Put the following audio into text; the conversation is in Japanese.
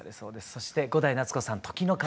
そして伍代夏子さん「時の川」。